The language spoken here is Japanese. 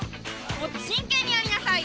もっと真剣にやりなさいよ！